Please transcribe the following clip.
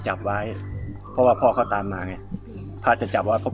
จริงละลายน่ะน่าจะเจ็บเจ็บ